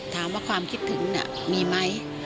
ถามว่าความคิดถึงน่ะมีมั้ย